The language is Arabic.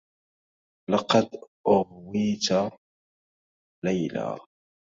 لقد أُغوِيَت ليلى.